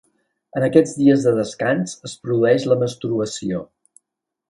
En aquests dies de descans es produeix la menstruació.